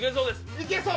いけそう。